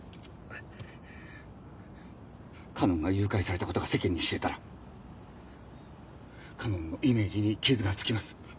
かのんが誘拐された事が世間に知れたらかのんのイメージに傷がつきます。